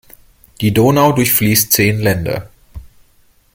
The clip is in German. Die Donau durchfließt zehn Länder.